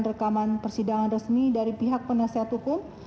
rekaman persidangan resmi dari pihak penasihat hukum